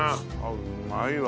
うまいわ。